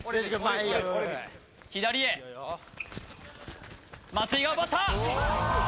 左へ松井が奪った！